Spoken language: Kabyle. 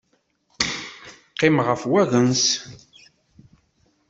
Qqimeɣ ɣef wagens.